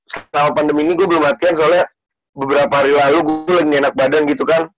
selama pandemi ini gue belum matikan soalnya beberapa hari lalu gue lagi enak badan gitu kan